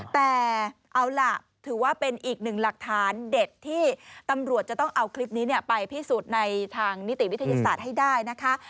แต่เอาล่ะถือว่าเป็นอีกหนึ่งหลักฐานเด็ดที่ตำรวจจะต้องเอาคลิปนี้ไปพิสูจน์ในทางนิติวิทยาศาสตร์ให้ได้นะคะ